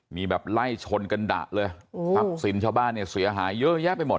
มีแบบไล่ชนกันดะเลยทรัพย์สินชาวบ้านเนี่ยเสียหายเยอะแยะไปหมด